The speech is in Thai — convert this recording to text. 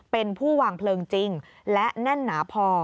เป็นผู้วางเพลิงจริงและแน่นหนาพอ